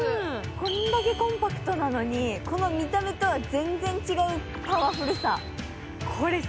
こんだけコンパクトなのに、この見た目とは全然違うパワフルさ。